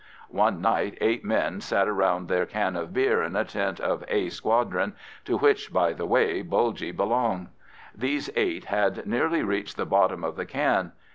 One night, eight men sat round their can of beer in a tent of "A" Squadron, to which, by the way, Bulgy belonged. These eight had nearly reached the bottom of the can.